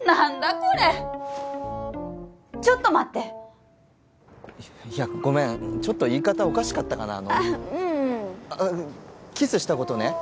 これちょっと待っていやごめんちょっと言い方おかしかったかなあのあうんキスしたことね？